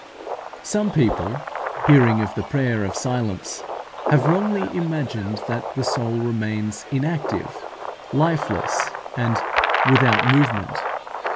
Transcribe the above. Some people, hearing of the prayer of silence, have wrongly imagined that the soul remains inactive, lifeless, and without movement.